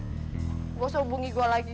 gue harus hubungi gue lagi